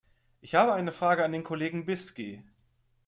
Ich habe eine Frage an den Kollegen Bisky.